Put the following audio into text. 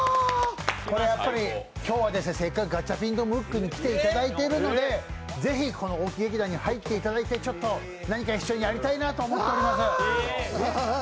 今日はせっかくガチャピンとムックに来ていただいているのでぜひこの大木劇団に入っていただいて、何か一緒にやりたいなと思っております。